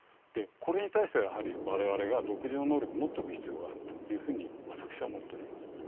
これに対しては我々が独自の能力を持っておく必要があると私は思っております。